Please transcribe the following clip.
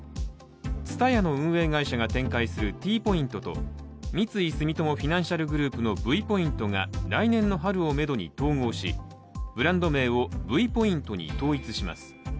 ＴＳＵＴＡＹＡの運営会社が展開するＴポイントと三井住友フィナンシャルグループのＶポイントが来年の春をめどに統合しブランド名をＶポイントに統一します。